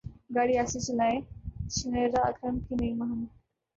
گاڑی اہستہ چلائیں شنیرا اکرم کی نئی مہم